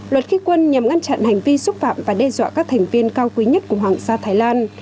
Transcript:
luật khi quân nhằm ngăn chặn hành vi xúc phạm và đe dọa các thành viên cao quý nhất của hoàng gia thái lan